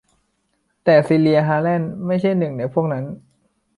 แต่ซีเลีย ฮาร์แลนด์ไม่ใช่หนึ่งในพวกนั้น